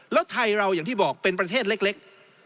แล้วไทยเราอย่างที่บอกเป็นประเทศเล็ก